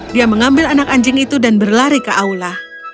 dia mengambil anak anjing itu dan berlari ke aula